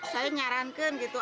saya nyarankan gitu